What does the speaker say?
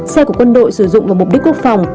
xe của quân đội sử dụng vào mục đích quốc phòng